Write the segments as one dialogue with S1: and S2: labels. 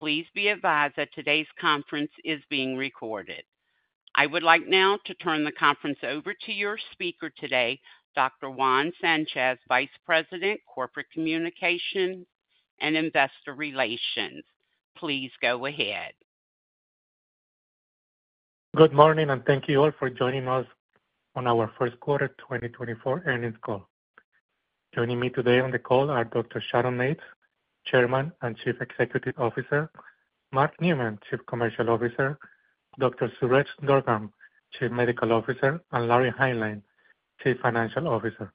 S1: Please be advised that today's conference is being recorded. I would like now to turn the conference over to your speaker today, Dr. Juan Sanchez, Vice President, Corporate Communication and Investor Relations. Please go ahead.
S2: Good morning, and thank you all for joining us on our first quarter 2024 earnings call. Joining me today on the call are Dr. Sharon Mates, Chairman and Chief Executive Officer; Mark Neumann, Chief Commercial Officer; Dr. Suresh Durgam, Chief Medical Officer; and Larry Hineline, Chief Financial Officer.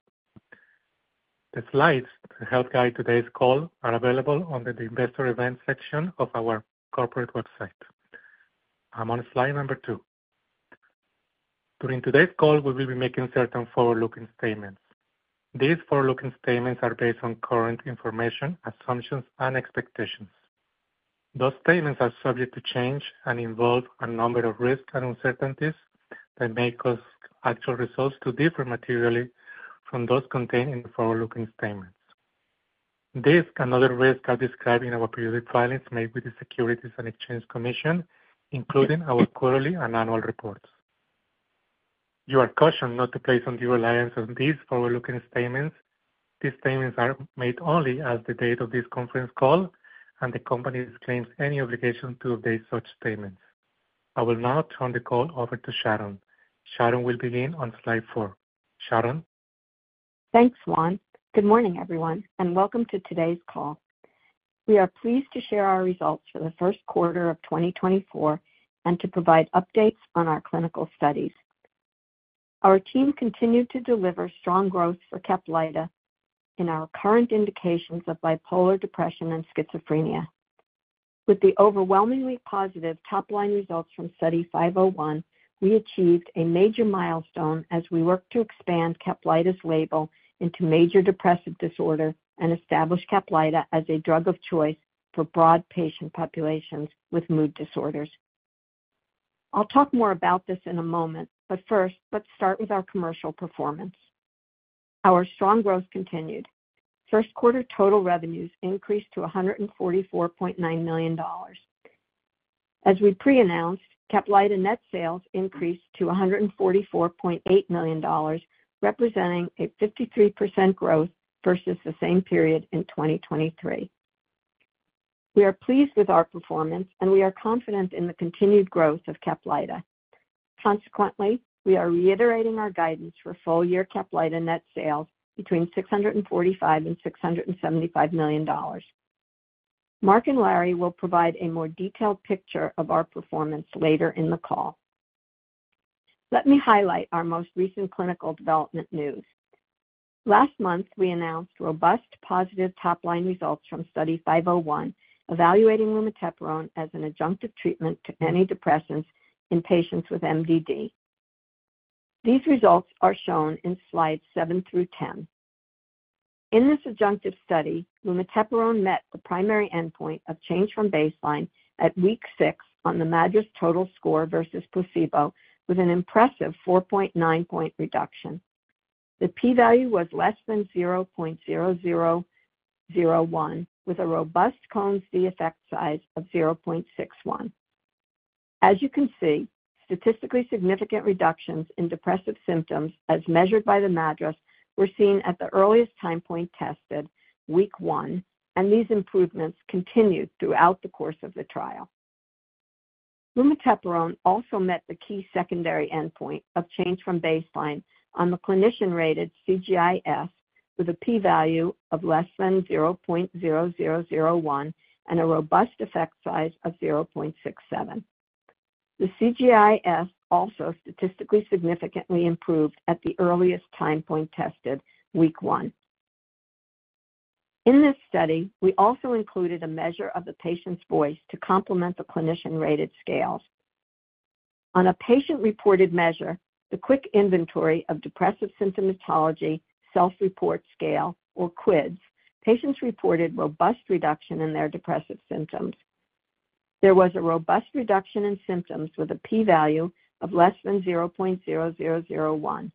S2: The slides to help guide today's call are available on the investor events section of our corporate website. I'm on slide number two. During today's call, we will be making certain forward-looking statements. These forward-looking statements are based on current information, assumptions, and expectations. Those statements are subject to change and involve a number of risks and uncertainties that may cause actual results to differ materially from those contained in the forward-looking statements. These and other risks are described in our periodic filings made with the Securities and Exchange Commission, including our quarterly and annual reports. You are cautioned not to place undue reliance on these forward-looking statements. These statements are made only as of the date of this conference call, and the company disclaims any obligation to update such statements. I will now turn the call over to Sharon. Sharon will begin on slide four. Sharon?
S3: Thanks, Juan. Good morning, everyone, and welcome to today's call. We are pleased to share our results for the first quarter of 2024 and to provide updates on our clinical studies. Our team continued to deliver strong growth for Caplyta in our current indications of bipolar depression and schizophrenia. With the overwhelmingly positive top-line results from Study 501, we achieved a major milestone as we work to expand Caplyta's label into major depressive disorder and establish Caplyta as a drug of choice for broad patient populations with mood disorders. I'll talk more about this in a moment, but first, let's start with our commercial performance. Our strong growth continued. First quarter total revenues increased to $144.9 million. As we pre-announced, Caplyta net sales increased to $144.8 million, representing 53% growth versus the same period in 2023. We are pleased with our performance, and we are confident in the continued growth of Caplyta. Consequently, we are reiterating our guidance for full-year Caplyta net sales between $645 million and $675 million. Mark and Larry will provide a more detailed picture of our performance later in the call. Let me highlight our most recent clinical development news. Last month, we announced robust positive top-line results from Study 501, evaluating lumateperone as an adjunctive treatment to antidepressants in patients with MDD. These results are shown in slides 7 through 10. In this adjunctive study, lumateperone met the primary endpoint of change from baseline at week six on the MADRS total score versus placebo, with an impressive 4.9-point reduction. The p-value was less than 0.0001, with a robust Cohen's d effect size of 0.61. As you can see, statistically significant reductions in depressive symptoms, as measured by the MADRS, were seen at the earliest time point tested, week one, and these improvements continued throughout the course of the trial. Lumateperone also met the key secondary endpoint of change from baseline on the clinician-rated CGI-S, with a p-value of less than 0.0001 and a robust effect size of 0.67. The CGI-S also statistically significantly improved at the earliest time point tested, week one. In this study, we also included a measure of the patient's voice to complement the clinician-rated scales. On a patient-reported measure, the Quick Inventory of Depressive Symptomatology Self-Report scale, or QIDS, patients reported robust reduction in their depressive symptoms. There was a robust reduction in symptoms with a p-value of less than 0.0001.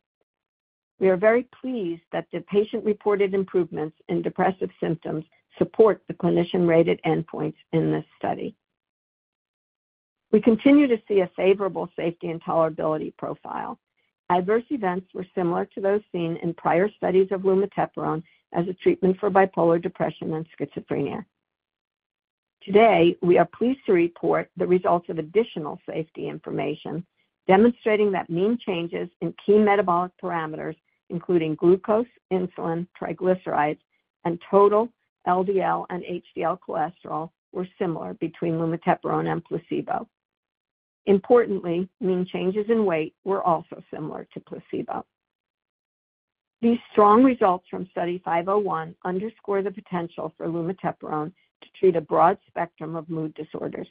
S3: We are very pleased that the patient-reported improvements in depressive symptoms support the clinician-rated endpoints in this study. We continue to see a favorable safety and tolerability profile. Adverse events were similar to those seen in prior studies of lumateperone as a treatment for bipolar depression and schizophrenia. Today, we are pleased to report the results of additional safety information, demonstrating that mean changes in key metabolic parameters, including glucose, insulin, triglycerides, and total LDL and HDL cholesterol, were similar between lumateperone and placebo. Importantly, mean changes in weight were also similar to placebo. These strong results from Study 501 underscore the potential for lumateperone to treat a broad spectrum of mood disorders.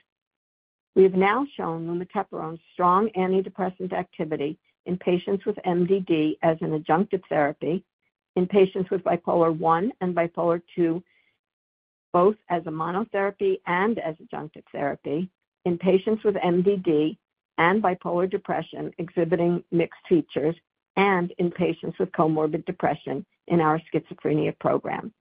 S3: We have now shown lumateperone's strong antidepressant activity in patients with MDD as an adjunctive therapy. In patients with Bipolar I and Bipolar II, both as a monotherapy and as adjunctive therapy. In patients with MDD and bipolar depression exhibiting mixed features, and in patients with comorbid depression in our schizophrenia program.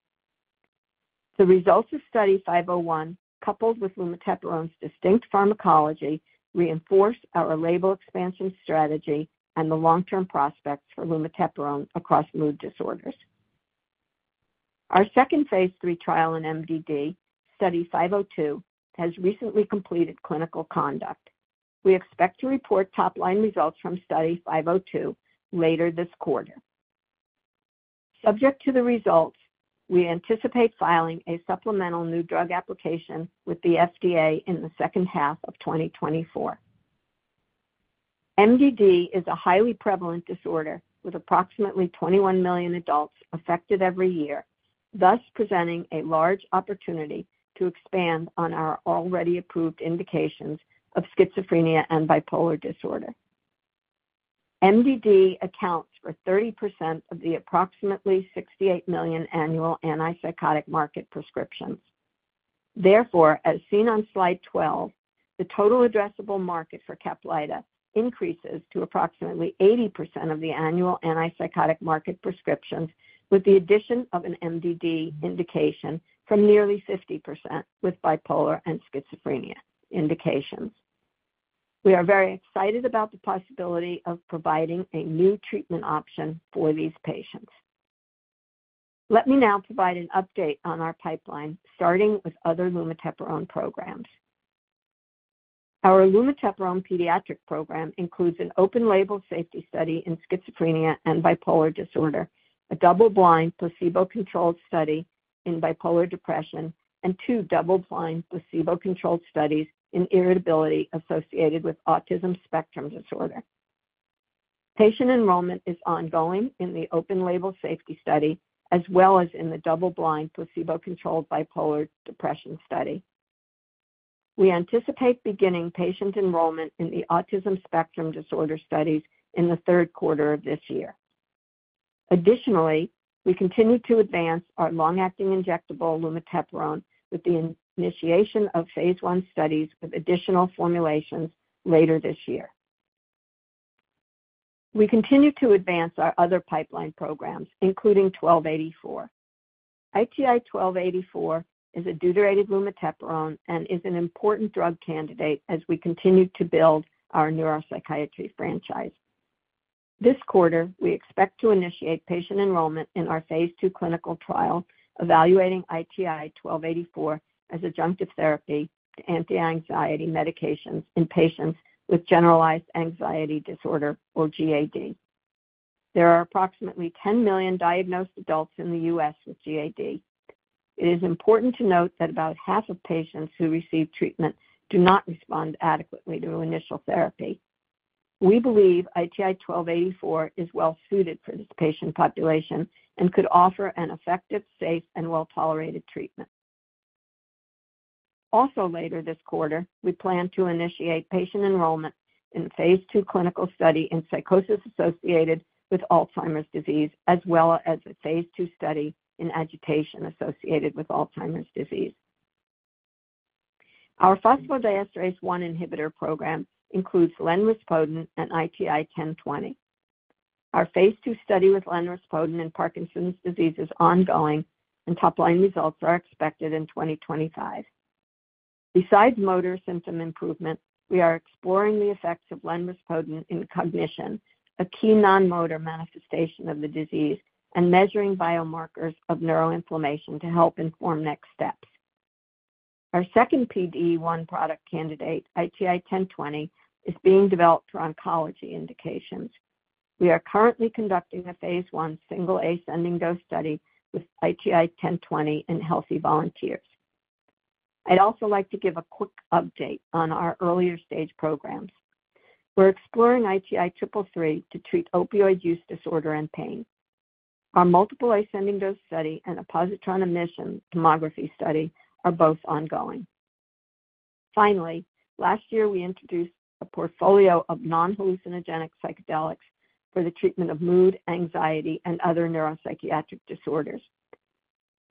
S3: The results of Study 501, coupled with lumateperone's distinct pharmacology, reinforce our label expansion strategy and the long-term prospects for lumateperone across mood disorders. Our second phase III trial in MDD, Study 502, has recently completed clinical conduct. We expect to report top-line results from Study 502 later this quarter. Subject to the results, we anticipate filing a supplemental new drug application with the FDA in the second half of 2024. MDD is a highly prevalent disorder, with approximately 21 million adults affected every year, thus presenting a large opportunity to expand on our already approved indications of schizophrenia and bipolar disorder. MDD accounts for 30% of the approximately 68 million annual antipsychotic market prescriptions. Therefore, as seen on Slide 12, the total addressable market for Caplyta increases to approximately 80% of the annual antipsychotic market prescriptions, with the addition of an MDD indication from nearly 50% with bipolar and schizophrenia indications. We are very excited about the possibility of providing a new treatment option for these patients. Let me now provide an update on our pipeline, starting with other lumateperone programs. Our lumateperone pediatric program includes an open label safety study in schizophrenia and bipolar disorder, a double-blind, placebo-controlled study in bipolar depression, and two double-blind, placebo-controlled studies in irritability associated with autism spectrum disorder. Patient enrollment is ongoing in the open label safety study, as well as in the double-blind, placebo-controlled bipolar depression study. We anticipate beginning patient enrollment in the autism spectrum disorder studies in the third quarter of this year. Additionally, we continue to advance our long-acting injectable lumateperone with the initiation of phase I studies with additional formulations later this year. We continue to advance our other pipeline programs, including 1284. ITI-1284 is a deuterated lumateperone and is an important drug candidate as we continue to build our neuropsychiatry franchise. This quarter, we expect to initiate patient enrollment in our phase II clinical trial, evaluating ITI-1284 as adjunctive therapy to anti-anxiety medications in patients with generalized anxiety disorder or GAD. There are approximately 10 million diagnosed adults in the U.S. with GAD. It is important to note that about half of patients who receive treatment do not respond adequately to initial therapy. We believe ITI-1284 is well suited for this patient population and could offer an effective, safe, and well-tolerated treatment. Also later this quarter, we plan to initiate patient enrollment in phase II clinical study in psychosis associated with Alzheimer's disease, as well as a phase II study in agitation associated with Alzheimer's disease. Our phosphodiesterase 1 inhibitor program includes lenrispodun and ITI-1020. Our phase II study with lenrispodun in Parkinson's disease is ongoing, and top-line results are expected in 2025. Besides motor symptom improvement, we are exploring the effects of lenrispodun in cognition, a key non-motor manifestation of the disease, and measuring biomarkers of neuroinflammation to help inform next steps. Our second PDE1 product candidate, ITI-1020, is being developed for oncology indications. We are currently conducting a phase I single ascending dose study with ITI-1020 in healthy volunteers. I'd also like to give a quick update on our earlier stage programs. We're exploring ITI-333 to treat opioid use disorder and pain. Our multiple ascending dose study and a positron emission tomography study are both ongoing. Finally, last year, we introduced a portfolio of non-hallucinogenic psychedelics for the treatment of mood, anxiety, and other neuropsychiatric disorders.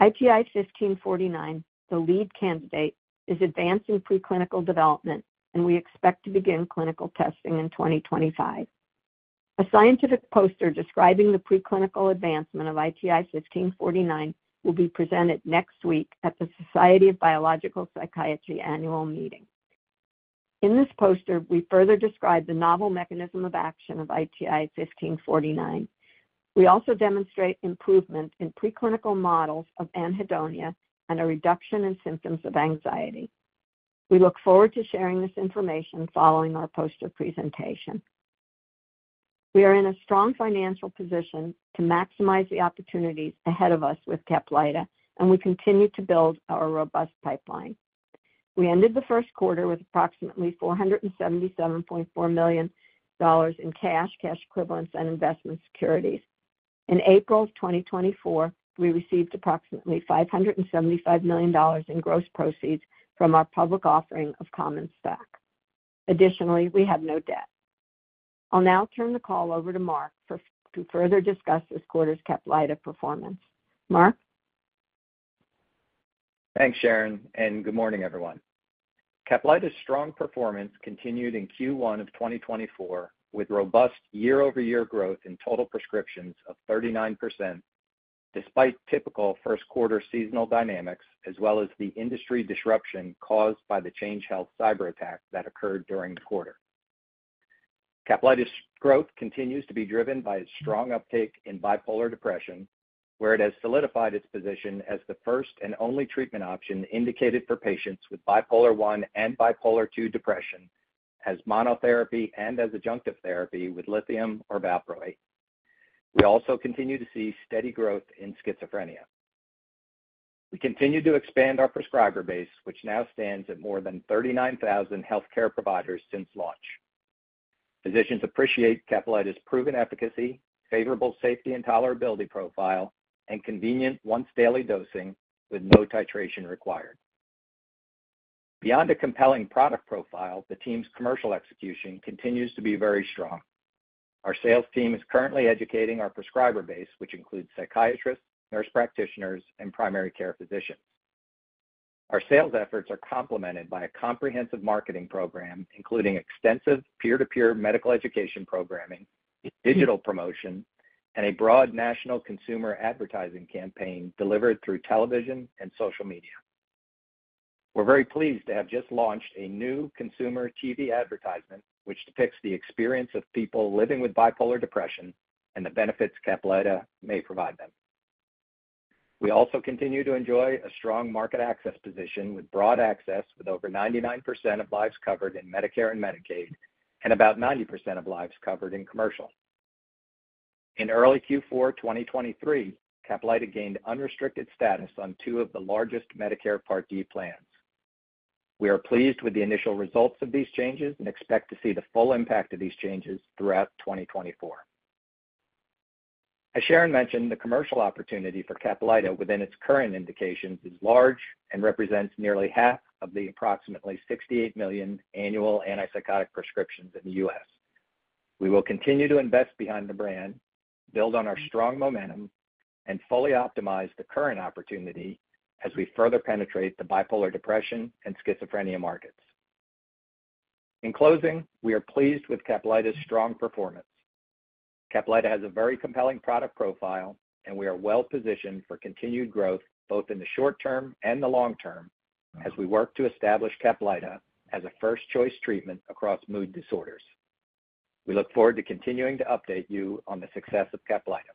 S3: ITI-1549, the lead candidate, is advancing preclinical development, and we expect to begin clinical testing in 2025. A scientific poster describing the preclinical advancement of ITI-1549 will be presented next week at the Society of Biological Psychiatry annual meeting. In this poster, we further describe the novel mechanism of action of ITI-1549. We also demonstrate improvement in preclinical models of anhedonia and a reduction in symptoms of anxiety. We look forward to sharing this information following our poster presentation. We are in a strong financial position to maximize the opportunities ahead of us with Caplyta, and we continue to build our robust pipeline. We ended the first quarter with approximately $477.4 million in cash, cash equivalents and investment securities. In April of 2024, we received approximately $575 million in gross proceeds from our public offering of common stock. Additionally, we have no debt. I'll now turn the call over to Mark to further discuss this quarter's Caplyta performance. Mark?...
S4: Thanks, Sharon, and good morning, everyone. Caplyta's strong performance continued in Q1 of 2024, with robust year-over-year growth in total prescriptions of 39%, despite typical first quarter seasonal dynamics, as well as the industry disruption caused by the Change Healthcare cyberattack that occurred during the quarter. Caplyta's growth continues to be driven by its strong uptake in bipolar depression, where it has solidified its position as the first and only treatment option indicated for patients with Bipolar I and Bipolar II depression, as monotherapy and as adjunctive therapy with lithium or valproate. We also continue to see steady growth in schizophrenia. We continue to expand our prescriber base, which now stands at more than 39,000 healthcare providers since launch. Physicians appreciate Caplyta's proven efficacy, favorable safety and tolerability profile, and convenient once daily dosing with no titration required. Beyond a compelling product profile, the team's commercial execution continues to be very strong. Our sales team is currently educating our prescriber base, which includes psychiatrists, nurse practitioners, and primary care physicians. Our sales efforts are complemented by a comprehensive marketing program, including extensive peer-to-peer medical education programming, digital promotion, and a broad national consumer advertising campaign delivered through television and social media. We're very pleased to have just launched a new consumer TV advertisement, which depicts the experience of people living with bipolar depression and the benefits Caplyta may provide them. We also continue to enjoy a strong market access position with broad access, with over 99% of lives covered in Medicare and Medicaid, and about 90% of lives covered in commercial. In early Q4 2023, Caplyta gained unrestricted status on two of the largest Medicare Part D plans. We are pleased with the initial results of these changes and expect to see the full impact of these changes throughout 2024. As Sharon mentioned, the commercial opportunity for Caplyta within its current indications is large and represents nearly half of the approximately 68 million annual antipsychotic prescriptions in the U.S. We will continue to invest behind the brand, build on our strong momentum, and fully optimize the current opportunity as we further penetrate the bipolar depression, and schizophrenia markets. In closing, we are pleased with Caplyta's strong performance. Caplyta has a very compelling product profile, and we are well positioned for continued growth, both in the short term and the long term, as we work to establish Caplyta as a first choice treatment across mood disorders. We look forward to continuing to update you on the success of Caplyta.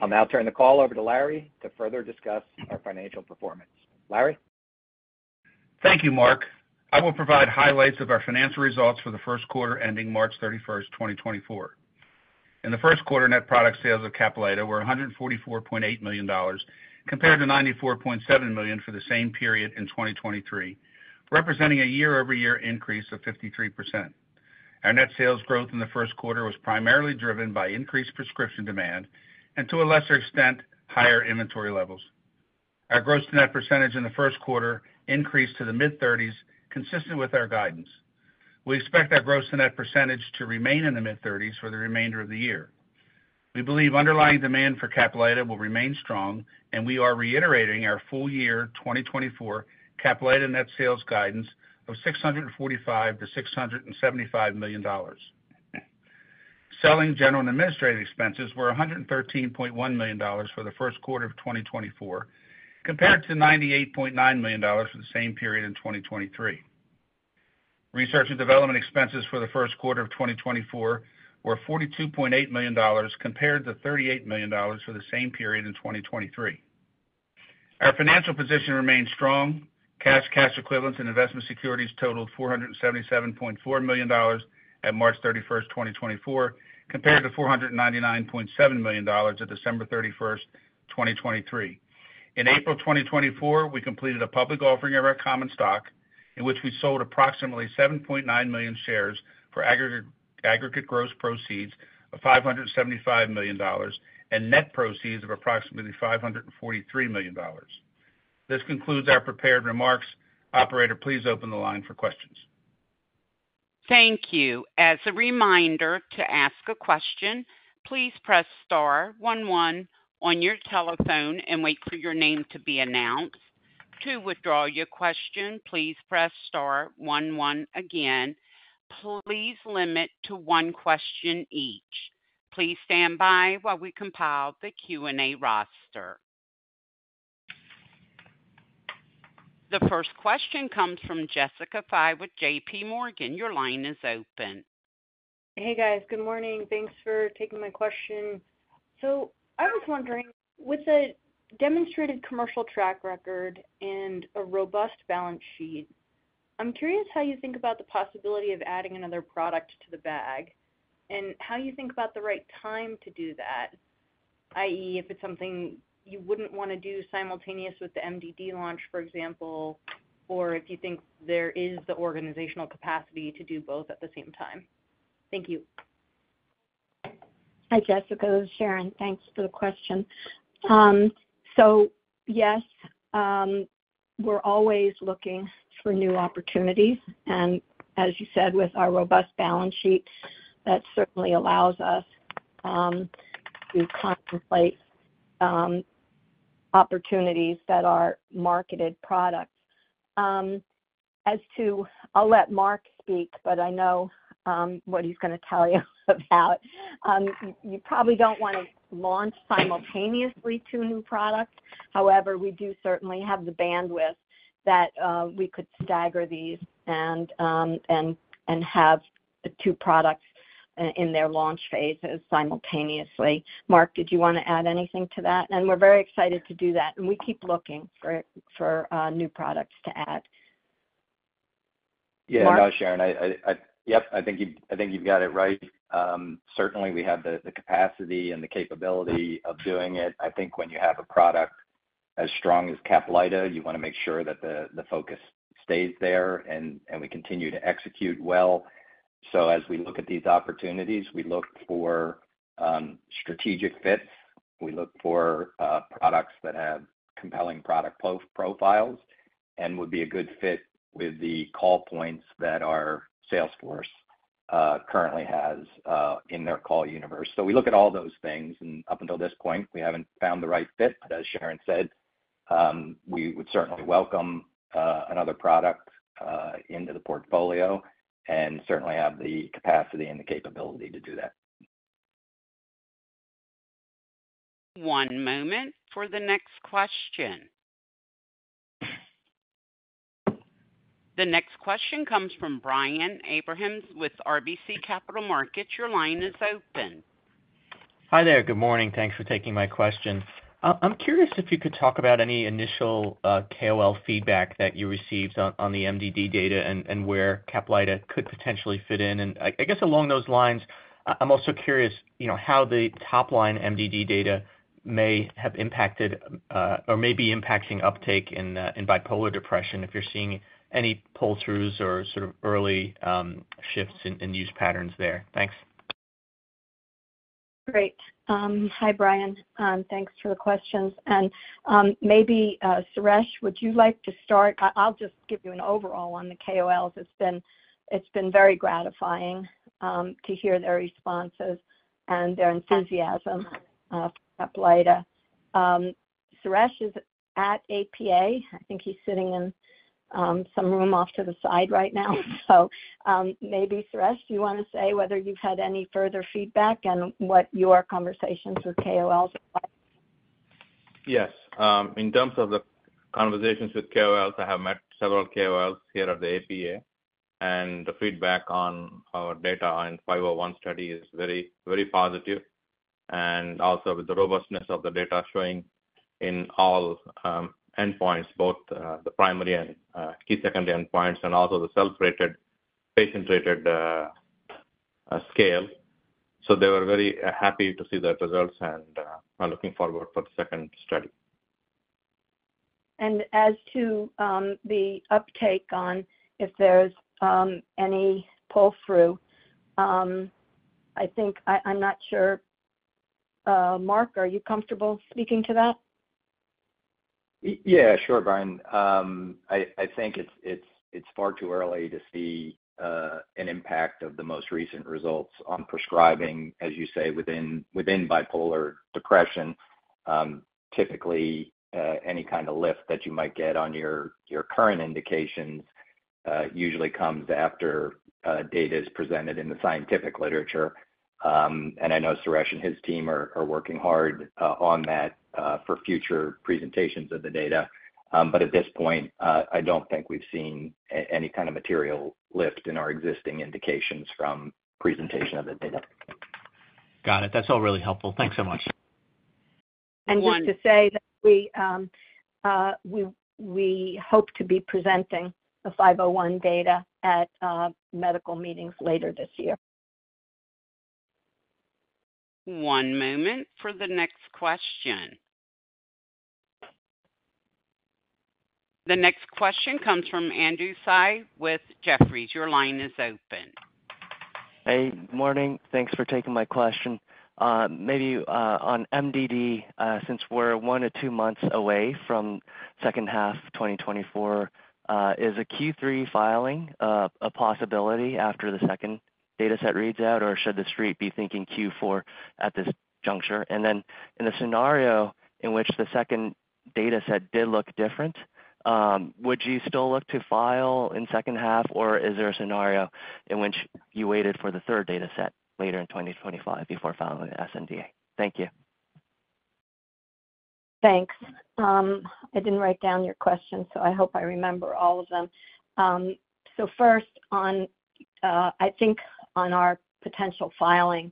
S4: I'll now turn the call over to Larry to further discuss our financial performance. Larry?
S5: Thank you, Mark. I will provide highlights of our financial results for the first quarter ending March 31st, 2024. In the first quarter, net product sales of Caplyta were $144.8 million, compared to $94.7 million for the same period in 2023, representing a year-over-year increase of 53%. Our net sales growth in the first quarter was primarily driven by increased prescription demand and, to a lesser extent, higher inventory levels. Our gross to net percentage in the first quarter increased to the mid-30s, consistent with our guidance. We expect that gross to net percentage to remain in the mid-30s for the remainder of the year. We believe underlying demand for Caplyta will remain strong, and we are reiterating our full year 2024 Caplyta net sales guidance of $645 million-$675 million. Selling general and administrative expenses were $113.1 million for the first quarter of 2024, compared to $98.9 million for the same period in 2023. Research and development expenses for the first quarter of 2024 were $42.8 million, compared to $38 million for the same period in 2023. Our financial position remains strong. Cash, cash equivalents, and investment securities totaled $477.4 million at March 31st, 2024, compared to $499.7 million at December 31st, 2023. In April 2024, we completed a public offering of our common stock, in which we sold approximately 7.9 million shares for aggregate, aggregate gross proceeds of $575 million and net proceeds of approximately $543 million. This concludes our prepared remarks. Operator, please open the line for questions.
S1: Thank you. As a reminder, to ask a question, please press star one one on your telephone and wait for your name to be announced. To withdraw your question, please press star one one again. Please limit to one question each. Please stand by while we compile the Q&A roster. The first question comes from Jessica Fye with JPMorgan. Your line is open.
S6: Hey, guys. Good morning. Thanks for taking my question. So I was wondering, with a demonstrated commercial track record and a robust balance sheet, I'm curious how you think about the possibility of adding another product to the bag, and how you think about the right time to do that? i.e., if it's something you wouldn't want to do simultaneous with the MDD launch, for example, or if you think there is the organizational capacity to do both at the same time. Thank you.
S3: Hi, Jessica, Sharon. Thanks for the question. So yes, we're always looking for new opportunities, and as you said, with our robust balance sheet, that certainly allows us to contemplate opportunities that are marketed products. As to, I'll let Mark speak, but I know what he's gonna tell you about. You probably don't want to launch simultaneously two new products. However, we do certainly have the bandwidth that we could stagger these and have the two products in their launch phases simultaneously. Mark, did you wanna add anything to that? We're very excited to do that, and we keep looking for new products to add.
S4: Yeah, no, Sharon. Yep, I think you've got it right. Certainly, we have the capacity and the capability of doing it. I think when you have a product as strong as Caplyta, you wanna make sure that the focus stays there, and we continue to execute well. So as we look at these opportunities, we look for strategic fits. We look for products that have compelling product profiles and would be a good fit with the call points that our sales force currently has in their call universe. So we look at all those things, and up until this point, we haven't found the right fit. But as Sharon said, we would certainly welcome another product into the portfolio, and certainly have the capacity and the capability to do that.
S1: One moment for the next question. The next question comes from Brian Abrahams with RBC Capital Markets. Your line is open.
S7: Hi there. Good morning. Thanks for taking my question. I'm curious if you could talk about any initial KOL feedback that you received on the MDD data and where Caplyta could potentially fit in. And I guess along those lines, I'm also curious, you know, how the top line MDD data may have impacted or may be impacting uptake in bipolar depression, if you're seeing any pull-throughs or sort of early shifts in use patterns there. Thanks.
S3: Great. Hi, Brian, thanks for the questions. Maybe, Suresh, would you like to start? I'll just give you an overall on the KOLs. It's been very gratifying to hear their responses and their enthusiasm Caplyta. Suresh is at APA. I think he's sitting in some room off to the side right now. Maybe, Suresh, do you wanna say whether you've had any further feedback and what your conversations with KOLs are?
S8: Yes. In terms of the conversations with KOLs, I have met several KOLs here at the APA, and the feedback on our data on 501 study is very, very positive, and also with the robustness of the data showing in all endpoints, both the primary and key secondary endpoints and also the self-rated, patient-rated scale. So they were very happy to see the results and are looking forward for the second study.
S3: As to the uptake on if there's any pull-through, I think I'm not sure. Mark, are you comfortable speaking to that?
S4: Yeah, sure, Brian. I think it's far too early to see an impact of the most recent results on prescribing, as you say, within bipolar depression. Typically, any kind of lift that you might get on your current indications usually comes after data is presented in the scientific literature. And I know Suresh and his team are working hard on that for future presentations of the data. But at this point, I don't think we've seen any kind of material lift in our existing indications from presentation of the data.
S7: Got it. That's all really helpful. Thanks so much.
S1: One-
S3: Just to say that we hope to be presenting the 501 data at medical meetings later this year.
S1: One moment for the next question. The next question comes from Andrew Tsai with Jefferies. Your line is open.
S9: Hey, morning. Thanks for taking my question. Maybe, on MDD, since we're one-two months away from second half of 2024, is a Q3 filing a possibility after the second dataset reads out, or should the street be thinking Q4 at this juncture? And then, in a scenario in which the second dataset did look different, would you still look to file in second half, or is there a scenario in which you waited for the third dataset later in 2025 before filing an SNDA? Thank you.
S3: Thanks. I didn't write down your question, so I hope I remember all of them. So first, on, I think on our potential filing,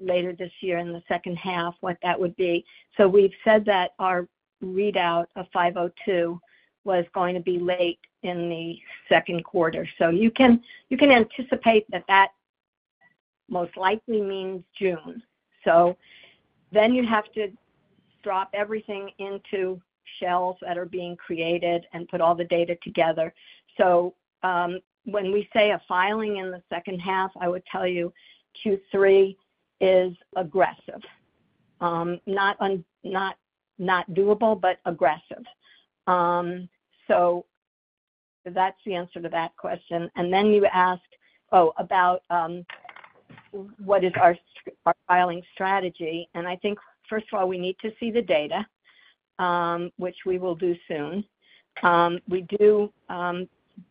S3: later this year in the second half, what that would be. So we've said that our readout of 502 was going to be late in the second quarter. So you can anticipate that that most likely means June. So then you have to drop everything into shelves that are being created and put all the data together. So when we say a filing in the second half, I would tell you Q3 is aggressive. Not impossible, but aggressive. So that's the answer to that question. And then you asked about what is our filing strategy. I think, first of all, we need to see the data, which we will do soon. We do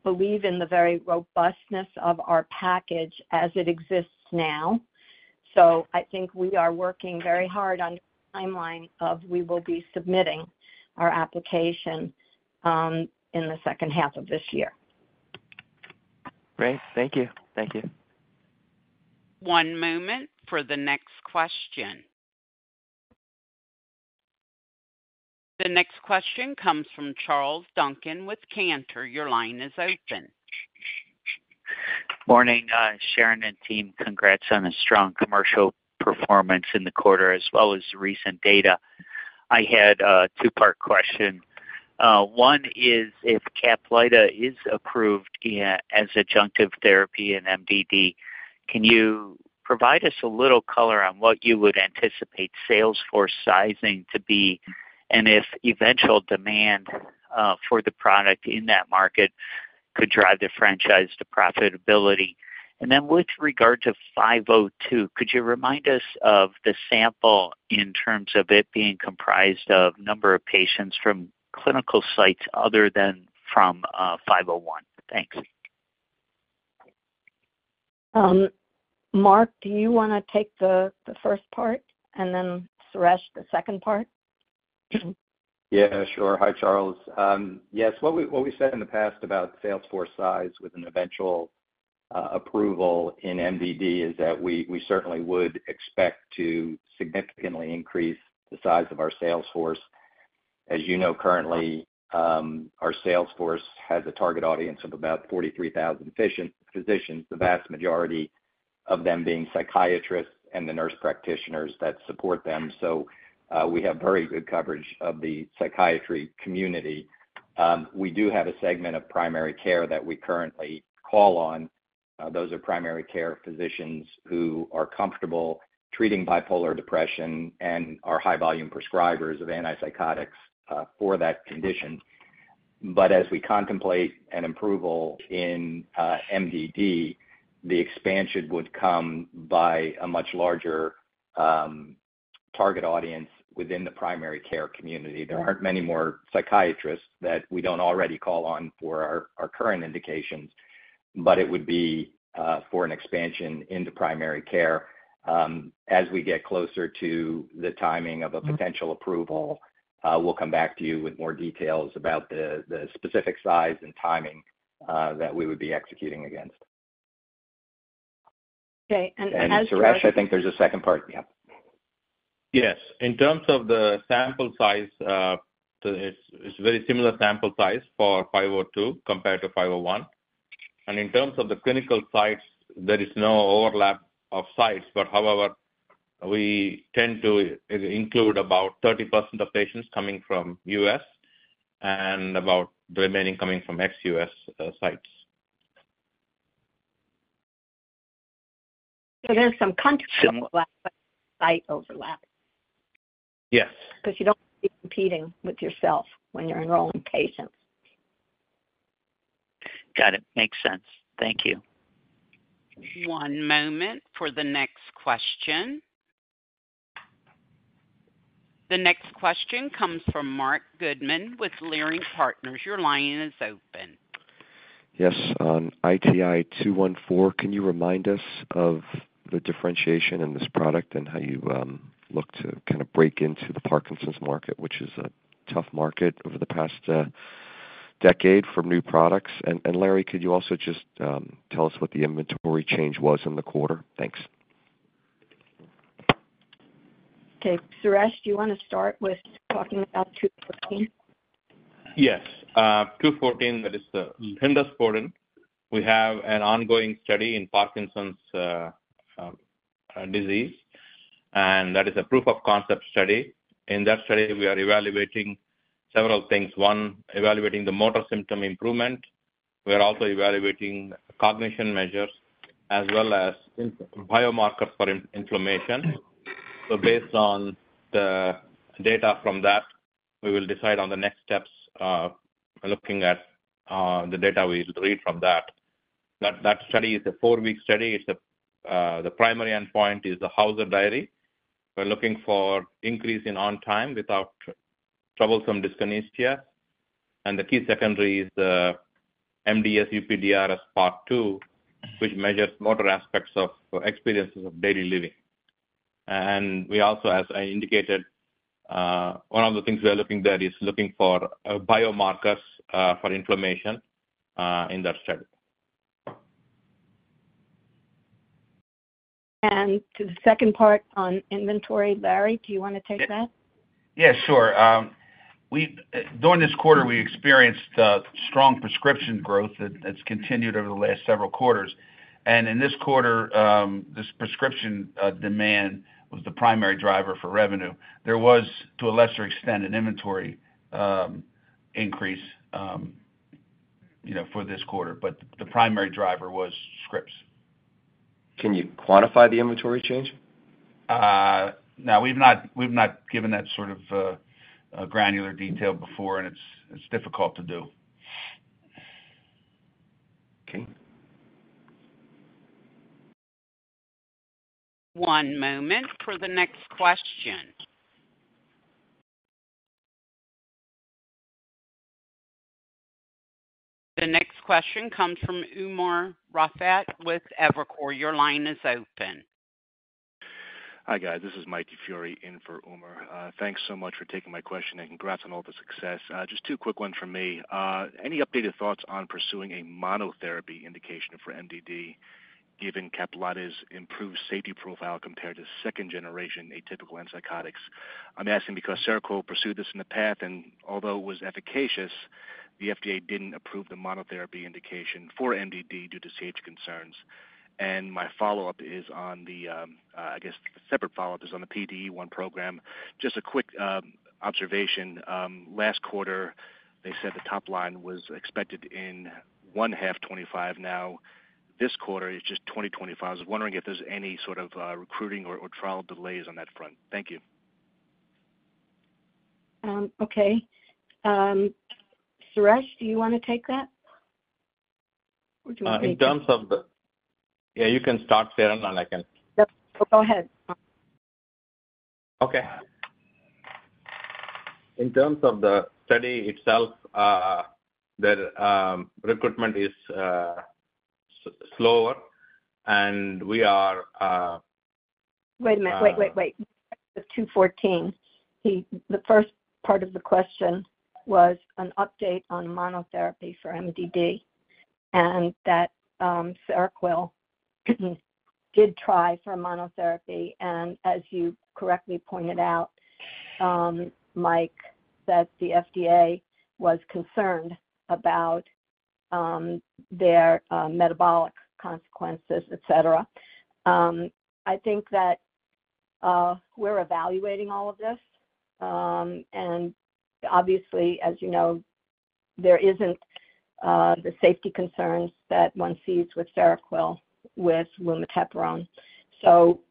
S3: believe in the very robustness of our package as it exists now. I think we are working very hard on the timeline of we will be submitting our application, in the second half of this year.
S9: Great. Thank you. Thank you.
S1: One moment for the next question. The next question comes from Charles Duncan with Cantor. Your line is open.
S10: Morning, Sharon and team. Congrats on a strong commercial performance in the quarter as well as recent data. I had a two-part question. One is, if Caplyta is approved, yeah, as adjunctive therapy in MDD, can you provide us a little color on what you would anticipate sales force sizing to be, and if eventual demand for the product in that market could drive the franchise to profitability? And then with regard to five oh two, could you remind us of the sample in terms of it being comprised of number of patients from clinical sites other than from 501? Thanks.
S3: Mark, do you want to take the first part and then Suresh, the second part?
S4: Yeah, sure. Hi, Charles. Yes, what we said in the past about sales force size with an eventual approval in MDD is that we certainly would expect to significantly increase the size of our sales force. As you know, currently, our sales force has a target audience of about 43,000 physicians, the vast majority of them being psychiatrists and the nurse practitioners that support them. So, we have very good coverage of the psychiatry community. We do have a segment of primary care that we currently call on. Those are primary care physicians who are comfortable treating bipolar depression and are high volume prescribers of antipsychotics for that condition. But as we contemplate an approval in MDD, the expansion would come by a much larger target audience within the primary care community. There aren't many more psychiatrists that we don't already call on for our, our current indications, but it would be for an expansion into primary care. As we get closer to the timing of a potential approval, we'll come back to you with more details about the, the specific size and timing that we would be executing against.
S3: Okay, and as for-
S4: Suresh, I think there's a second part. Yep.
S8: Yes. In terms of the sample size, it's very similar sample size for 502 compared to 501. And in terms of the clinical sites, there is no overlap of sites, but however, we tend to include about 30% of patients coming from U.S. and about the remaining coming from ex-US sites.
S3: There's some country overlap, but site overlap.
S8: Yes.
S3: 'Cause you don't be competing with yourself when you're enrolling patients.
S10: Got it. Makes sense. Thank you.
S1: One moment for the next question. The next question comes from Marc Goodman with Leerink Partners. Your line is open.
S11: Yes, on ITI-214, can you remind us of the differentiation in this product and how you look to kind of break into the Parkinson's market, which is a tough market over the past decade for new products? And, and Larry, could you also just tell us what the inventory change was in the quarter? Thanks.
S3: Okay, Suresh, do you want to start with talking about 214?
S8: Yes, 214, that is the lenrispodun. We have an ongoing study in Parkinson's disease, and that is a proof of concept study. In that study, we are evaluating several things. One, evaluating the motor symptom improvement. We are also evaluating cognition measures as well as biomarkers for inflammation. So based on the data from that, we will decide on the next steps, looking at, the data we read from that. That, that study is a four-week study. It's a, the primary endpoint is the Hauser Diary. We're looking for increase in on time without troublesome dyskinesia, and the key secondary is the MDS-UPDRS part II, which measures motor aspects of experiences of daily living. And we also, as I indicated, one of the things we are looking there is looking for, biomarkers, for inflammation, in that study.
S3: To the second part on inventory, Larry, do you want to take that?
S5: Yeah, sure. During this quarter, we experienced strong prescription growth that's continued over the last several quarters. In this quarter, this prescription demand was the primary driver for revenue. There was, to a lesser extent, an inventory increase.... you know, for this quarter, but the primary driver was scripts.
S10: Can you quantify the inventory change?
S5: No, we've not given that sort of granular detail before, and it's difficult to do.
S10: Okay.
S1: One moment for the next question. The next question comes from Umar Raffat with Evercore ISI. Your line is open.
S12: Hi, guys. This is Mike DiFiore in for Umar. Thanks so much for taking my question, and congrats on all the success. Just two quick ones from me. Any updated thoughts on pursuing a monotherapy indication for MDD, given Caplyta's improved safety profile compared to second generation atypical antipsychotics? I'm asking because Seroquel pursued this in the past, and although it was efficacious, the FDA didn't approve the monotherapy indication for MDD due to CH concerns. And my follow-up is on the, I guess, separate follow-up is on the PDE1 program. Just a quick observation. Last quarter, they said the top line was expected in 1/2 2025. Now, this quarter, it's just 2025. I was wondering if there's any sort of recruiting or trial delays on that front. Thank you.
S3: Okay. Suresh, do you wanna take that? Or do you want me to-
S8: In terms of the... Yeah, you can start, Sharon, and I can-
S3: Yep. Go ahead.
S8: Okay. In terms of the study itself, recruitment is slower, and we are-
S3: Wait a minute.
S8: Uh-
S3: Wait, wait, wait. The 214. The first part of the question was an update on monotherapy for MDD, and that Seroquel did try for a monotherapy, and as you correctly pointed out, Mike, that the FDA was concerned about their metabolic consequences, et cetera. I think that we're evaluating all of this. And obviously, as you know, there isn't the safety concerns that one sees with Seroquel, with lumateperone. So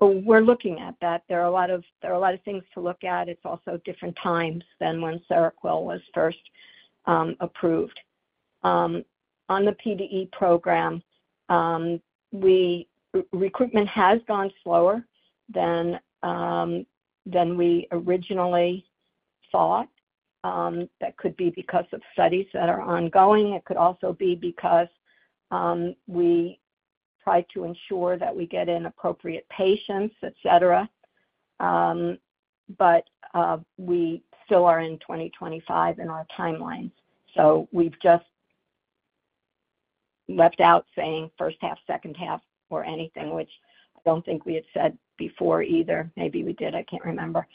S3: we're looking at that. There are a lot of, there are a lot of things to look at. It's also different times than when Seroquel was first approved. On the PDE program, recruitment has gone slower than we originally thought. That could be because of studies that are ongoing. It could also be because we try to ensure that we get in appropriate patients, et cetera. But we still are in 2025 in our timelines, so we've just left out saying first half, second half or anything, which I don't think we had said before either. Maybe we did. I can't remember.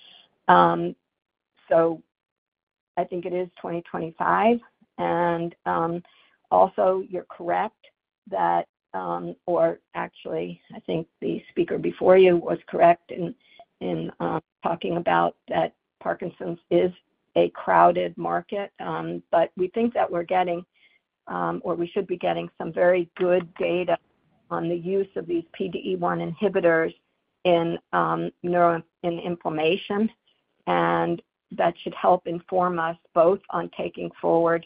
S3: So I think it is 2025. And also, you're correct that, or actually, I think the speaker before you was correct in talking about that Parkinson's is a crowded market. But we think that we're getting, or we should be getting some very good data on the use of these PDE1 inhibitors in neuroinflammation, and that should help inform us both on taking forward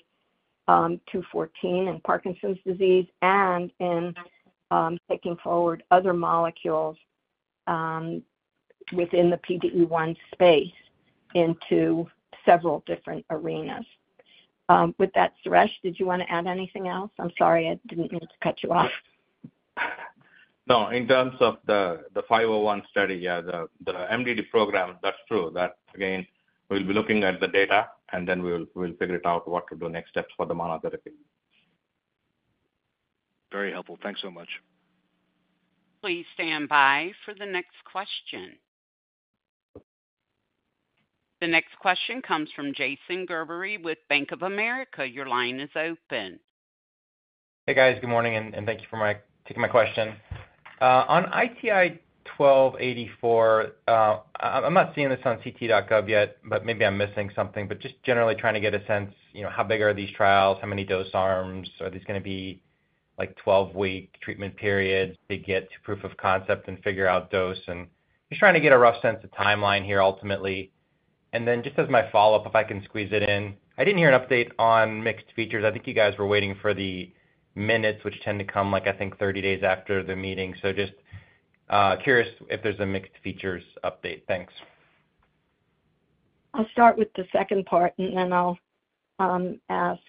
S3: 214 in Parkinson's disease and in taking forward other molecules within the PDE1 space into several different arenas. With that, Suresh, did you want to add anything else? I'm sorry. I didn't mean to cut you off.
S8: No, in terms of the 501 study, yeah, the MDD program, that's true. That, again, we'll be looking at the data, and then we'll figure it out, what to do next steps for the monotherapy.
S12: Very helpful. Thanks so much.
S1: Please stand by for the next question. The next question comes from Jason Gerberry with Bank of America. Your line is open.
S13: Hey, guys. Good morning, and thank you for taking my question. On ITI-1284, I'm not seeing this on ct.gov yet, but maybe I'm missing something. But just generally trying to get a sense, you know, how big are these trials? How many dose arms? Are these gonna be, like, 12-week treatment periods to get to proof of concept and figure out dose? And just trying to get a rough sense of timeline here, ultimately. And then, just as my follow-up, if I can squeeze it in, I didn't hear an update on mixed features. I think you guys were waiting for the minutes, which tend to come, like, I think 30 days after the meeting. So just curious if there's a mixed features update. Thanks.
S3: I'll start with the second part, and then I'll ask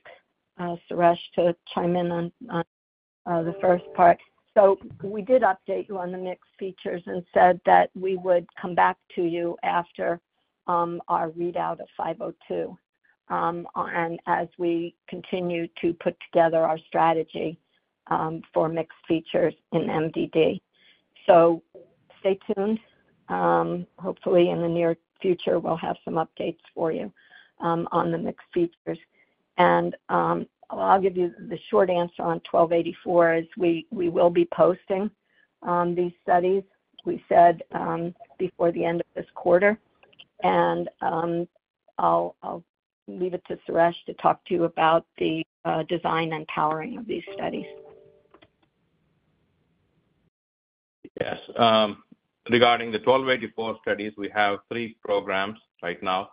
S3: Suresh to chime in on the first part. So we did update you on the mixed features and said that we would come back to you after our readout of 502 as we continue to put together our strategy for mixed features in MDD. So stay tuned. Hopefully, in the near future, we'll have some updates for you on the mixed features. And I'll give you the short answer on 1284 is we will be posting these studies, we said, before the end of this quarter. And I'll leave it to Suresh to talk to you about the design and powering of these studies.
S8: Yes. Regarding the 1284 studies, we have three programs right now.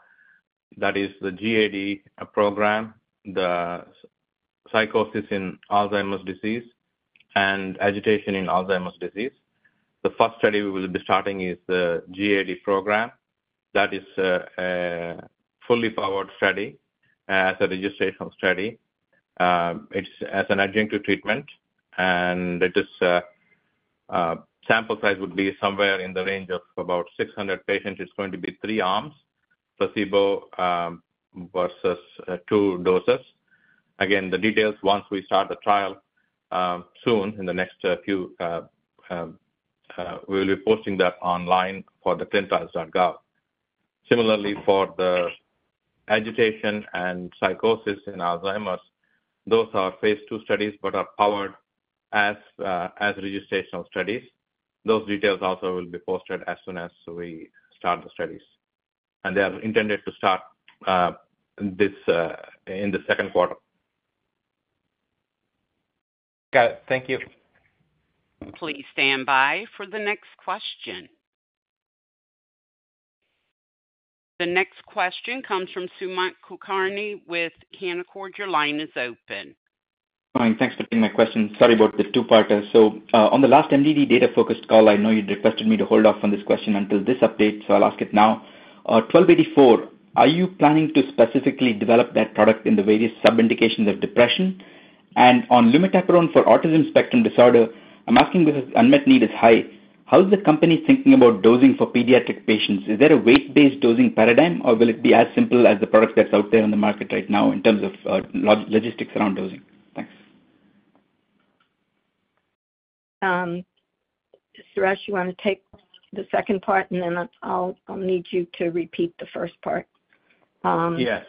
S8: That is the GAD program, the psychosis in Alzheimer's disease, and agitation in Alzheimer's disease. The first study we will be starting is the GAD program. That is, a fully powered study, as a registrational study. It's as an adjunctive treatment, and it is, sample size would be somewhere in the range of about 600 patients. It's going to be three arms, placebo, versus, two doses. Again, the details, once we start the trial, soon, in the next few, we'll be posting that online for the ClinicalTrials.gov. Similarly, for the agitation and psychosis in Alzheimer's, those are phase II studies, but are powered as, as registrational studies. Those details also will be posted as soon as we start the studies, and they are intended to start this in the second quarter.
S13: Got it. Thank you.
S1: Please stand by for the next question. The next question comes from Sumant Kulkarni with Canaccord. Your line is open.
S14: Fine, thanks for taking my question. Sorry about the two-parter. So, on the last MDD data-focused call, I know you requested me to hold off on this question until this update, so I'll ask it now. 1284, are you planning to specifically develop that product in the various sub-indications of depression? And on lumateperone for autism spectrum disorder, I'm asking because unmet need is high. How is the company thinking about dosing for pediatric patients? Is there a weight-based dosing paradigm, or will it be as simple as the product that's out there on the market right now in terms of logistics around dosing? Thanks.
S3: Suresh, you want to take the second part, and then I'll need you to repeat the first part.
S8: Yes.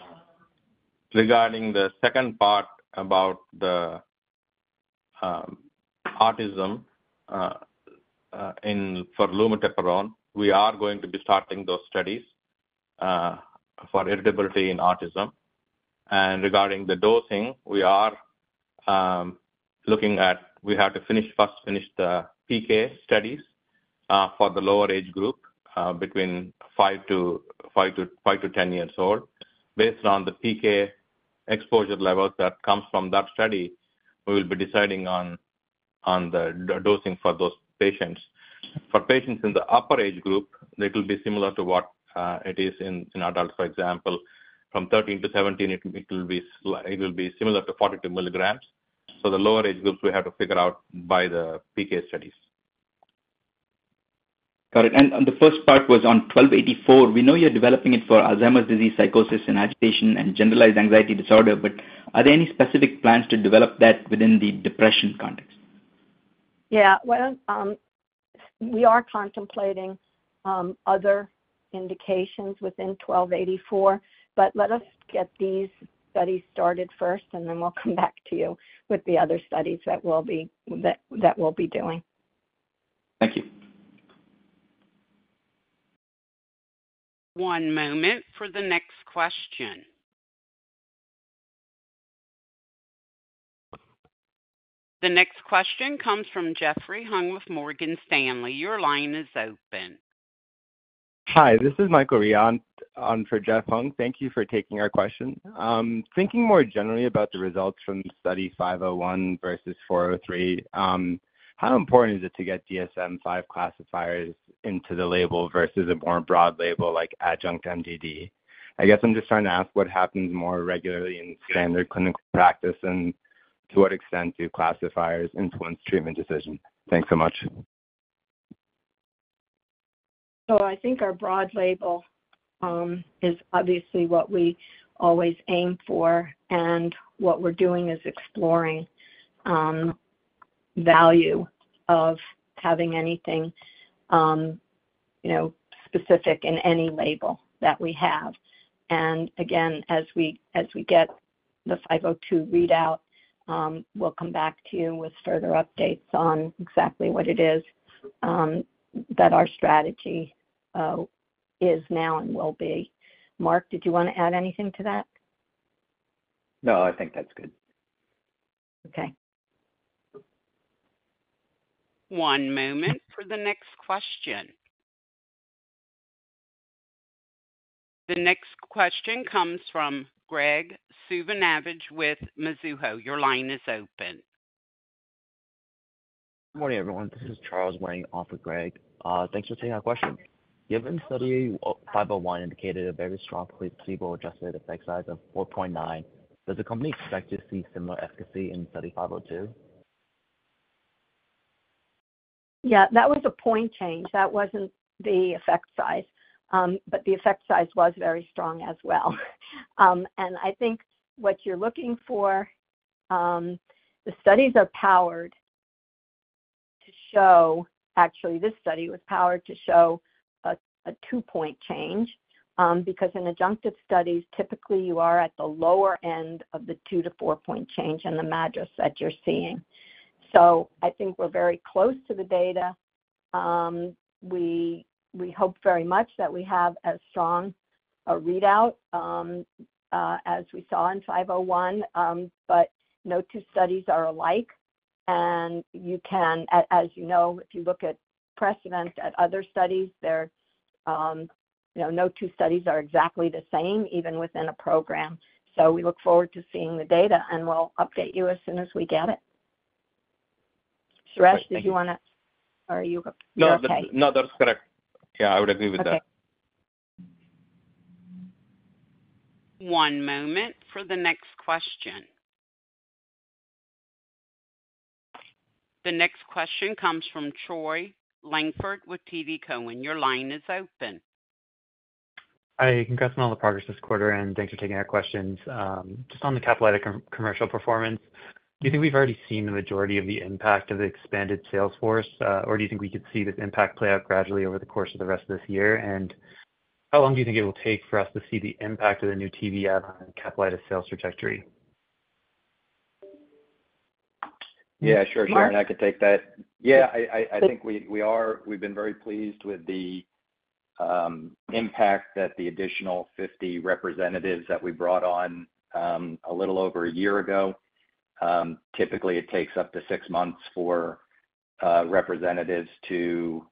S8: Regarding the second part about the autism in for lumateperone, we are going to be starting those studies for irritability in autism. And regarding the dosing, we are looking at. We have to finish first, finish the PK studies for the lower age group between five-10 years old. Based on the PK exposure levels that comes from that study, we will be deciding on the dosing for those patients. For patients in the upper age group, it will be similar to what it is in adults. For example, from 13-17, it will be similar to 42 mg. So the lower age groups, we have to figure out by the PK studies.
S14: Got it. And the first part was on 1284. We know you're developing it for Alzheimer's disease, psychosis and agitation and generalized anxiety disorder, but are there any specific plans to develop that within the depression context?
S3: Yeah. Well, we are contemplating other indications within 1284, but let us get these studies started first, and then we'll come back to you with the other studies that we'll be doing.
S14: Thank you.
S1: One moment for the next question. The next question comes from Jeffrey Hung with Morgan Stanley. Your line is open.
S15: Hi, this is Michael Riad on for Jeffrey Hung. Thank you for taking our question. Thinking more generally about the results from Study 501 versus 403, how important is it to get DSM-5 classifiers into the label versus a more broad label like adjunct MDD? I guess I'm just trying to ask what happens more regularly in standard clinical practice, and to what extent do classifiers influence treatment decisions? Thanks so much.
S3: So I think our broad label is obviously what we always aim for, and what we're doing is exploring value of having anything, you know, specific in any label that we have. And again, as we, as we get the 502 readout, we'll come back to you with further updates on exactly what it is that our strategy is now and will be. Mark, did you want to add anything to that?
S4: No, I think that's good.
S3: Okay.
S1: One moment for the next question. The next question comes from Graig Suvannavejh with Mizuho. Your line is open.
S16: Good morning, everyone. This is Charles Wang off with Graig. Thanks for taking our question. Given Study of 501 indicated a very strong placebo-adjusted effect size of 4.9, does the company expect to see similar efficacy in Study 502?
S3: Yeah, that was a point change. That wasn't the effect size, but the effect size was very strong as well. And I think what you're looking for, the studies are powered to show... Actually, this study was powered to show a two-point change, because in adjunctive studies, typically you are at the lower end of the two-four-point change in the MADRS set you're seeing.... So I think we're very close to the data. We hope very much that we have as strong a readout, as we saw in 501. But no two studies are alike, and you can, as you know, if you look at precedent at other studies, there, you know, no two studies are exactly the same, even within a program. We look forward to seeing the data, and we'll update you as soon as we get it. Suresh, did you wanna or are you okay?
S8: No, that's correct. Yeah, I would agree with that.
S3: Okay.
S1: One moment for the next question. The next question comes from Troy Langford with TD Cowen. Your line is open.
S17: Hi, congrats on all the progress this quarter, and thanks for taking our questions. Just on the Caplyta commercial performance, do you think we've already seen the majority of the impact of the expanded sales force? Or do you think we could see this impact play out gradually over the course of the rest of this year? And how long do you think it will take for us to see the impact of the new TV ad on Caplyta sales trajectory?
S4: Yeah, sure, Troy, I can take that.
S3: Mark?
S4: Yeah, I think we've been very pleased with the impact that the additional 50 representatives that we brought on a little over a year ago. Typically it takes up to six months for representatives to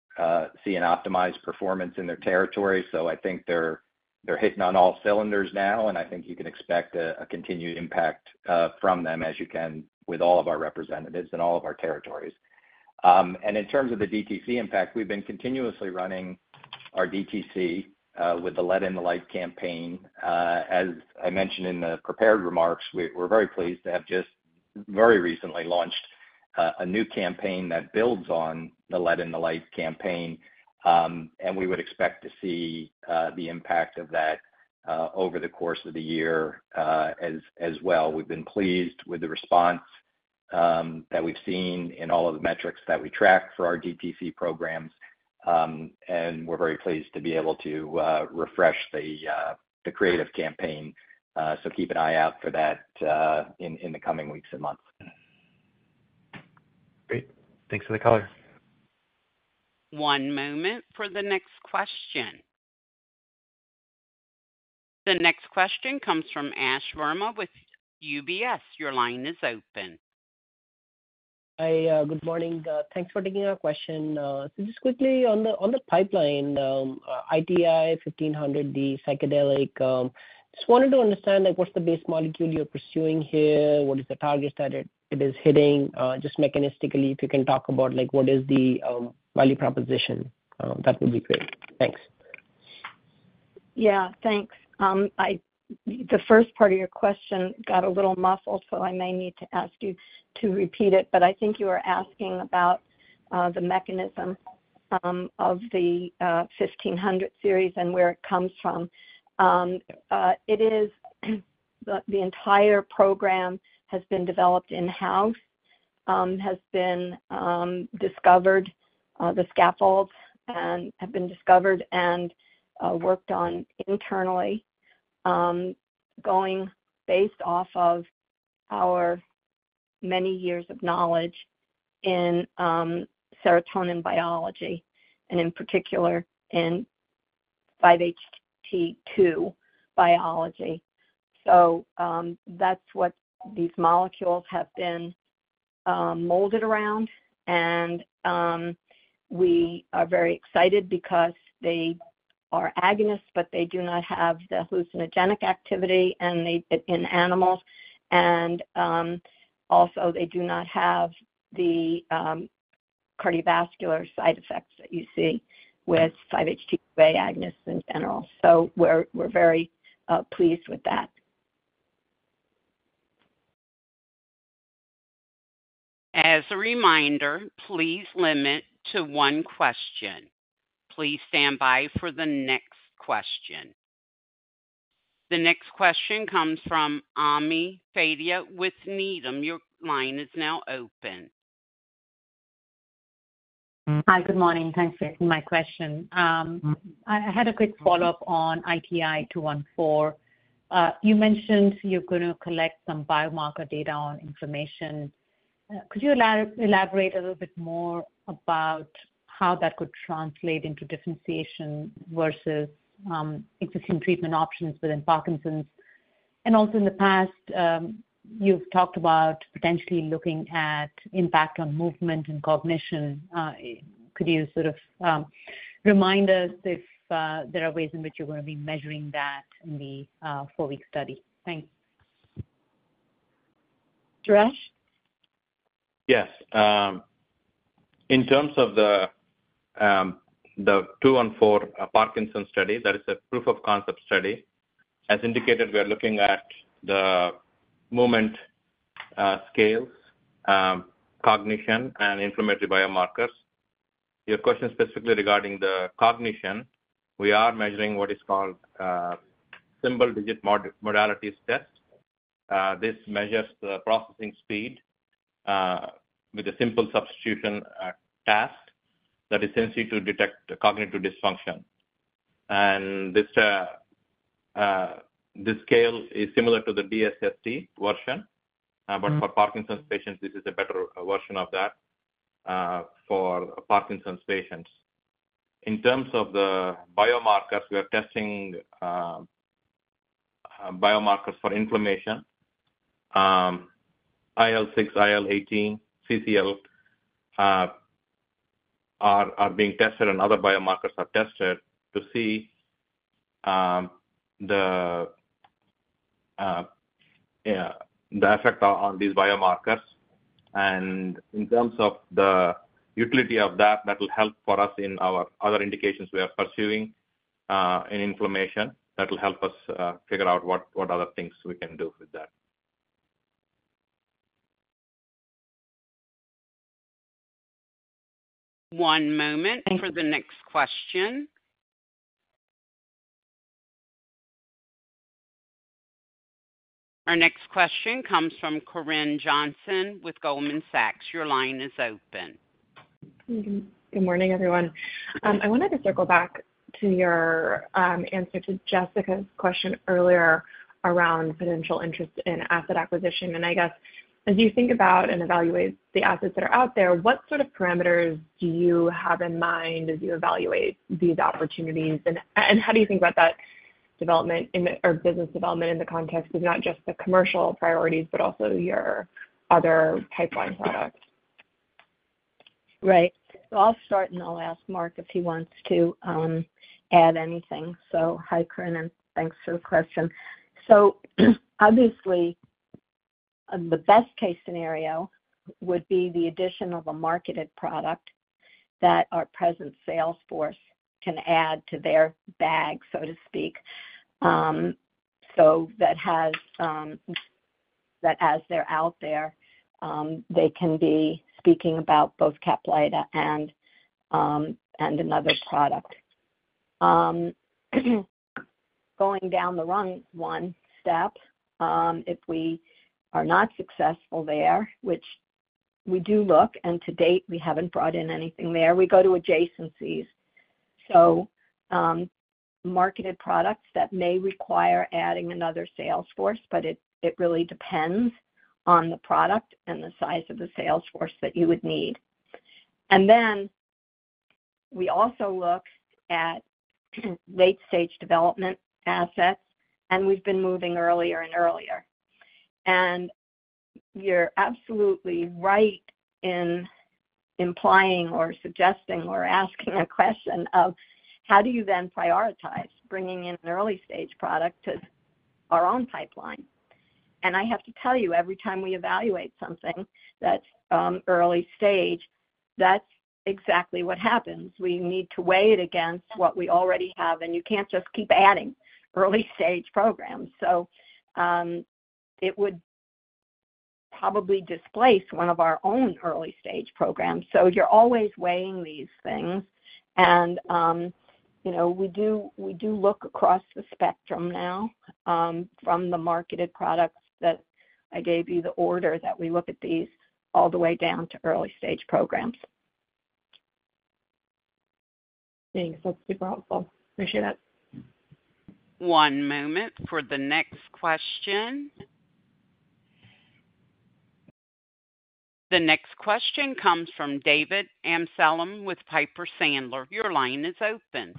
S4: see an optimized performance in their territory. So I think they're hitting on all cylinders now, and I think you can expect a continued impact from them, as you can with all of our representatives in all of our territories. And in terms of the DTC impact, we've been continuously running our DTC with the Let in the Light campaign. As I mentioned in the prepared remarks, we're very pleased to have just very recently launched a new campaign that builds on the Let in the Light campaign. We would expect to see the impact of that over the course of the year, as well. We've been pleased with the response that we've seen in all of the metrics that we track for our DTC programs. We're very pleased to be able to refresh the creative campaign. So keep an eye out for that in the coming weeks and months.
S17: Great. Thanks for the color.
S1: One moment for the next question. The next question comes from Ash Verma with UBS. Your line is open.
S18: Hi, good morning. Thanks for taking our question. So just quickly on the, on the pipeline, ITI-1500, the psychedelic, just wanted to understand, like, what's the base molecule you're pursuing here? What is the target that it, it is hitting? Just mechanistically, if you can talk about, like, what is the, value proposition? That would be great. Thanks.
S3: Yeah, thanks. The first part of your question got a little muffled, so I may need to ask you to repeat it, but I think you were asking about the mechanism of the 1,500 series and where it comes from. It is the entire program has been developed in-house, has been discovered, the scaffolds and have been discovered and worked on internally, going based off of our many years of knowledge in serotonin biology, and in particular in 5-HT2 biology. So, that's what these molecules have been molded around, and we are very excited because they are agonists, but they do not have the hallucinogenic activity, and they, in animals, and also they do not have the cardiovascular side effects that you see with 5-HT2 agonists in general. So we're, we're very pleased with that.
S1: As a reminder, please limit to one question. Please stand by for the next question. The next question comes from Ami Fadia with Needham. Your line is now open.
S19: Hi, good morning. Thanks for taking my question. I had a quick follow-up on ITI-214. You mentioned you're gonna collect some biomarker data on inflammation. Could you elaborate a little bit more about how that could translate into differentiation versus, existing treatment options within Parkinson's? And also, in the past, you've talked about potentially looking at impact on movement and cognition. Could you sort of, remind us if, there are ways in which you're going to be measuring that in the, 4-week study? Thanks.
S3: Suresh?
S8: Yes. In terms of the 214, Parkinson's study, that is a proof of concept study. As indicated, we are looking at the moment, scales, cognition, and inflammatory biomarkers. Your question specifically regarding the cognition, we are measuring what is called, Symbol Digit Modalities Test. This measures the processing speed, with a simple substitution, task that is sensitive to detect cognitive dysfunction.... This scale is similar to the DSST version. But for Parkinson's patients, this is a better version of that for Parkinson's patients. In terms of the biomarkers, we are testing biomarkers for inflammation. IL-6, IL-18, CCL are being tested and other biomarkers are tested to see the effect on these biomarkers. In terms of the utility of that, that will help for us in our other indications we are pursuing in inflammation. That will help us figure out what other things we can do with that.
S1: One moment for the next question. Our next question comes from Corinne Johnson with Goldman Sachs. Your line is open.
S20: Good morning, everyone. I wanted to circle back to your answer to Jessica's question earlier around potential interest in asset acquisition. I guess, as you think about and evaluate the assets that are out there, what sort of parameters do you have in mind as you evaluate these opportunities? And how do you think about that development or business development in the context of not just the commercial priorities, but also your other pipeline products?
S3: Right. So I'll start, and I'll ask Mark if he wants to add anything. So hi, Corinne, and thanks for the question. So obviously, the best case scenario would be the addition of a marketed product that our present sales force can add to their bag, so to speak. So that has, that as they're out there, they can be speaking about both Caplyta and another product. Going down the rung one step, if we are not successful there, which we do look, and to date, we haven't brought in anything there, we go to adjacencies. So, marketed products that may require adding another sales force, but it really depends on the product and the size of the sales force that you would need. Then we also look at late stage development assets, and we've been moving earlier and earlier. You're absolutely right in implying or suggesting or asking a question of how do you then prioritize bringing in an early stage product to our own pipeline? I have to tell you, every time we evaluate something that's early stage, that's exactly what happens. We need to weigh it against what we already have, and you can't just keep adding early stage programs. It would probably displace one of our own early stage programs. You're always weighing these things. You know, we do, we do look across the spectrum now, from the marketed products that I gave you, the order that we look at these all the way down to early stage programs.
S20: Thanks. That's super helpful. Appreciate it.
S1: One moment for the next question. The next question comes from David Amsellem with Piper Sandler. Your line is open.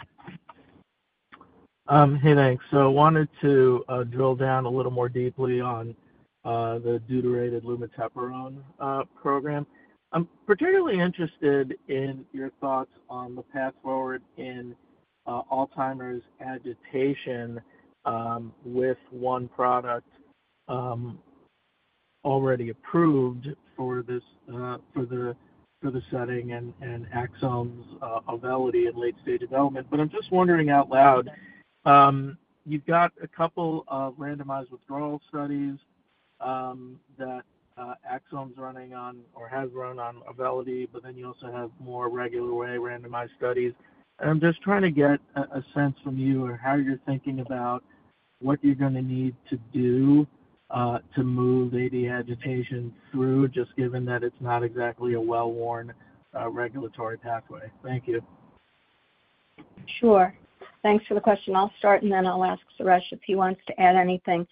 S21: Hey, thanks. So I wanted to drill down a little more deeply on the deuterated lumateperone program. I'm particularly interested in your thoughts on the path forward in Alzheimer's agitation with one product already approved for this for the setting and Axsome's Auvelity in late stage development. But I'm just wondering out loud, you've got a couple of randomized withdrawal studies that Axsome's running on or has run on Auvelity, but then you also have more regular way randomized studies. I'm just trying to get a sense from you on how you're thinking about what you're gonna need to do to move AD agitation through, just given that it's not exactly a well-worn regulatory pathway. Thank you.
S3: Sure. Thanks for the question. I'll start, and then I'll ask Suresh if he wants to add anything.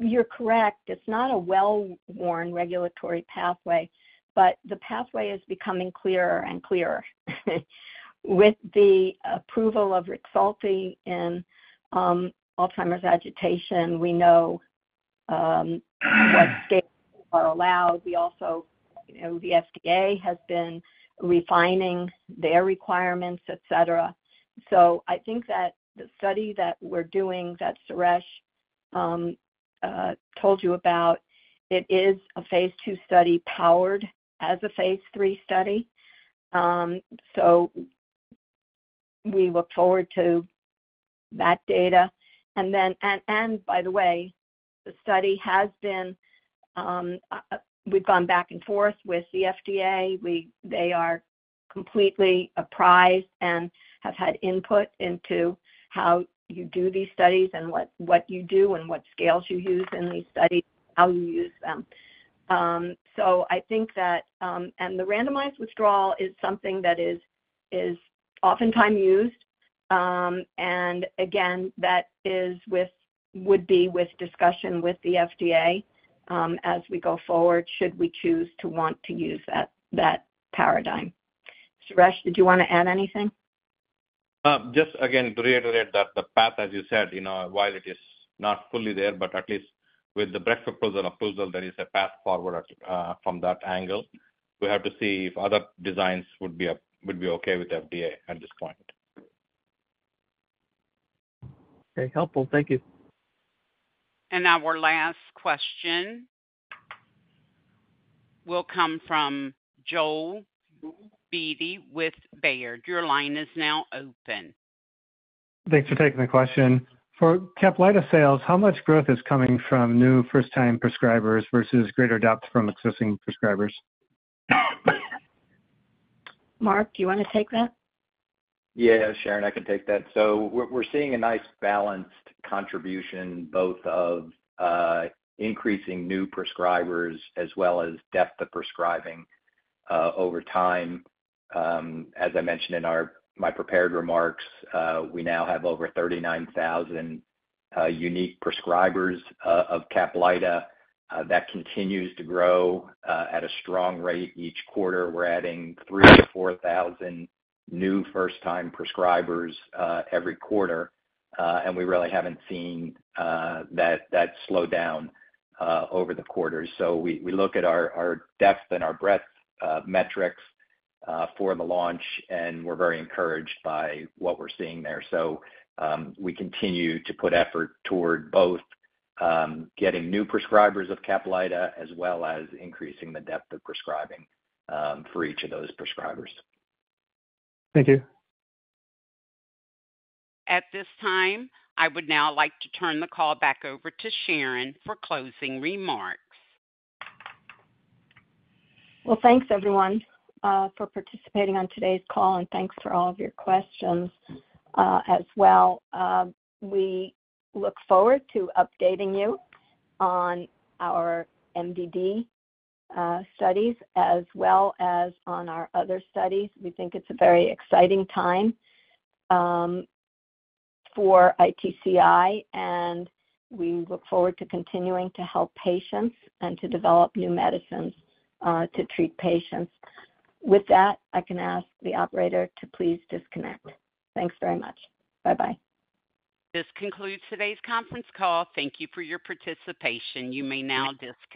S3: You're correct, it's not a well-worn regulatory pathway, but the pathway is becoming clearer and clearer. With the approval of Rexulti in Alzheimer's agitation, we know what scales are allowed. We also, you know, the FDA has been refining their requirements, et cetera. So I think that the study that we're doing, that Suresh told you about, it is a phase II study powered as a phase III study. So we look forward to that data. And then, and, and by the way, the study has been, we've gone back and forth with the FDA. They are completely apprised and have had input into how you do these studies and what you do and what scales you use in these studies, how you use them. So I think that. And the randomized withdrawal is something that is oftentimes used. And again, that would be with discussion with the FDA, as we go forward, should we choose to want to use that paradigm. Suresh, did you want to add anything?
S8: Just again, to reiterate that the path, as you said, you know, while it is not fully there, but at least with the brexpiprazole proposal approval, there is a path forward, from that angle. We have to see if other designs would be okay with FDA at this point.
S21: Very helpful. Thank you.
S1: Our last question will come from Joel Beatty with Baird. Your line is now open.
S22: Thanks for taking the question. For Caplyta sales, how much growth is coming from new first-time prescribers versus greater depth from existing prescribers?
S3: Mark, do you want to take that?
S4: Yeah, Sharon, I can take that. So we're seeing a nice balanced contribution, both of increasing new prescribers as well as depth of prescribing over time. As I mentioned in my prepared remarks, we now have over 39,000 unique prescribers of Caplyta. That continues to grow at a strong rate each quarter. We're adding 3,000-4,000 new first-time prescribers every quarter, and we really haven't seen that slow down over the quarters. So we look at our depth and our breadth metrics for the launch, and we're very encouraged by what we're seeing there. So we continue to put effort toward both getting new prescribers of Caplyta, as well as increasing the depth of prescribing for each of those prescribers.
S22: Thank you.
S1: At this time, I would now like to turn the call back over to Sharon for closing remarks.
S3: Well, thanks, everyone, for participating on today's call, and thanks for all of your questions, as well. We look forward to updating you on our MDD studies as well as on our other studies. We think it's a very exciting time for ITCI, and we look forward to continuing to help patients and to develop new medicines to treat patients. With that, I can ask the operator to please disconnect. Thanks very much. Bye-bye.
S1: This concludes today's conference call. Thank you for your participation. You may now disconnect.